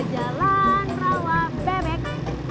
ke jalan rawa bebek